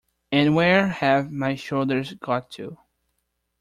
And where have my shoulders got to?